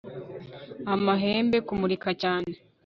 amahembe. kumurika cyane